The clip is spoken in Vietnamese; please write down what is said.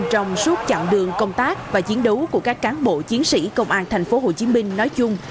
trong suốt chặng đường công tác và chiến đấu của các cán bộ chiến sĩ công an tp hcm nói chung